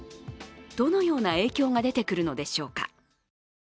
どのような影響が出てくるのでしょうか。